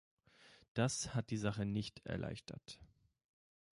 Das hat die Sache nicht erleichtert.